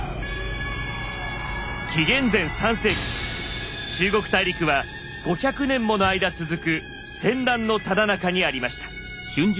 紀元前３世紀中国大陸は５００年もの間続く戦乱のただ中にありました。